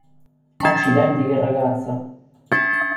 Accidenti che ragazza!